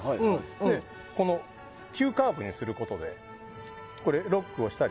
急カーブにすることでロックをしたり。